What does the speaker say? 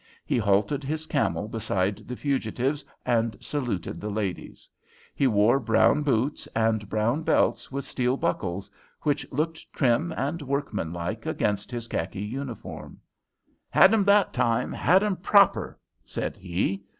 He halted his camel beside the fugitives and saluted the ladies. He wore brown boots and brown belts with steel buckles, which looked trim and workmanlike against his kharki uniform. "Had 'em that time had 'em proper!" said he.